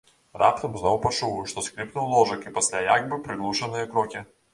Раптам зноў пачуў, што скрыпнуў ложак і пасля як бы прыглушаныя крокі.